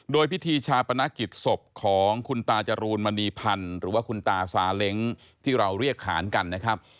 โดยพิธีชาปนกิจศพของคุณตาจรูนมณีพันธ์หรือว่าคุณตาซาเล้งที่เราเรียกขานกันนะครับ